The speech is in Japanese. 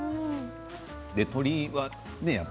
鶏はね